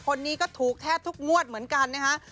คนนี้ก็ถูกแทบทุกงวดเหมือนกันนะฮะ